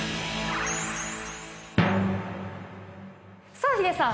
さぁヒデさん！